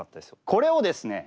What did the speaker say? これをですね